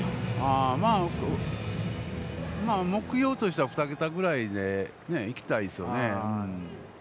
まあ目標としては二桁ぐらいで行きたいですよね。